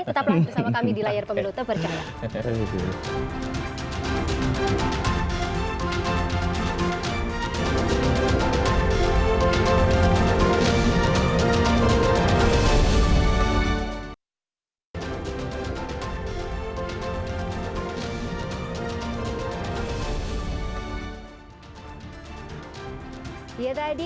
tetaplah bersama kami di layar pemilu tepat cahaya